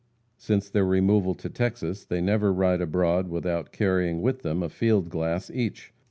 Since their removal to Texas they never ride abroad without carrying with them a field glass each.